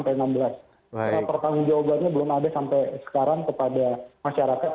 karena pertanggung jawabannya belum ada sampai sekarang kepada masyarakat